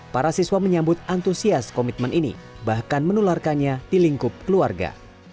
para siswa menyambut antusias komitmen ini bahkan menularkannya di lingkup keluarga